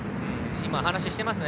今、話をしていますね